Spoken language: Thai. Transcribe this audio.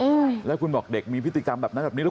ลูกสาวหลายครั้งแล้วว่าไม่ได้คุยกับแจ๊บเลยลองฟังนะคะ